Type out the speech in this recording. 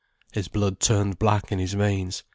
His blood turned black in his veins.